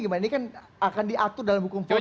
ini akan diatur dalam hukum formil